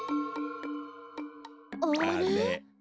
あれ？